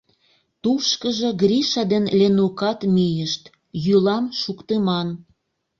Тушкыжо Гриша ден Ленукат мийышт — йӱлам шуктыман.